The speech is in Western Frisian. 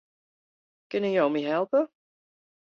Kinne jo my helpe?